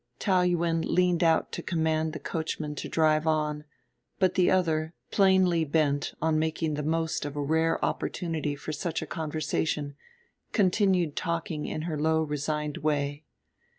Taou Yuen leaned out to command the coachman to drive on; but the other, plainly bent on making the most of a rare opportunity for such a conversation, continued talking in her low resigned way.